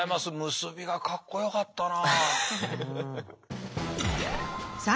結びがかっこよかったな。